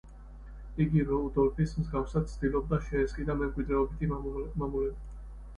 იგი რუდოლფის მსგავსად ცდილობდა შეესყიდა მემკვიდრეობითი მამულები.